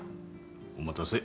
お待たせ。